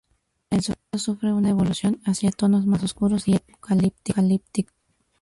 El sonido sufre una evolución hacia tonos más oscuros y apocalípticos.